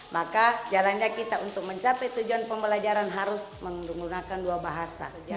maka jalannya kita untuk mencapai tujuan pembelajaran harus menggunakan dua bahasa